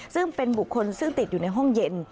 ซึ่งเป็นบุคคลซึ่งติดอยู่ในห้องเย็น